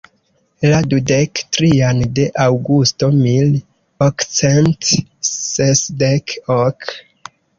La dudek trian de Aŭgusto mil okcent sesdek ok.